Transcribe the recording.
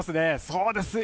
そうですよ。